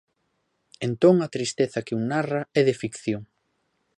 Entón a tristeza que un narra é de ficción.